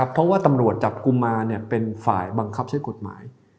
เพราะว่าตำรวจจับกุมารเป็นฝ่ายบังคับใช้กฎหมาย